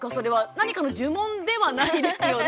何かの呪文ではないですよね。